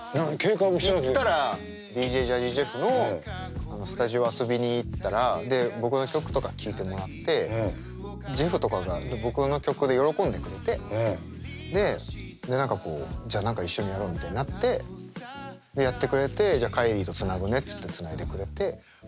行ったらＤＪＪａｚｚｙＪｅｆｆのスタジオ遊びに行ったらで僕の曲とか聴いてもらってＪｅｆｆとかが僕の曲で喜んでくれてで何かこうじゃあ何か一緒にやろうみたいになってやってくれてじゃＫａｉｄｉとつなぐねっつってつないでくれて。